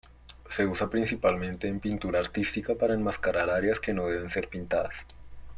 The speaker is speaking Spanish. Se usa principalmente en pintura artística para enmascarar áreas que no deben ser pintadas.